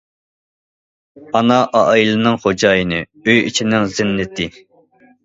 ئانا ئائىلىنىڭ خوجايىنى، ئۆي ئىچىنىڭ زىننىتى.